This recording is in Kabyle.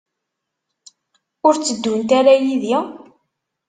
Ur tteddunt ara yid-i?